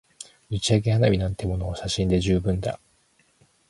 打ち上げ花火なんてものは写真で十分だ